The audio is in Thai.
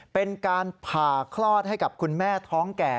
เป็นการผ่าคลอดให้กับคุณแม่ท้องแก่